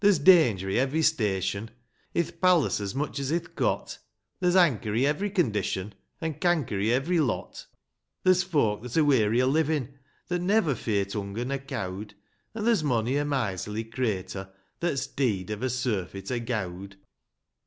There's danger i' every station, — I'th palace as much as i'th cot ; There's hanker' i' every condition, An' canker^ i' every lot ; There's folk that are weary o' livin', That never fear't hunger nor cowd ; An' there's mony a miserly craiter,^ That's dee'd ov a surfeit o' gowd.